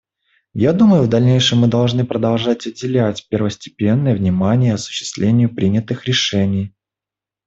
Я думаю, в дальнейшем мы должны продолжать уделять первостепенное внимание осуществлению принятых решений.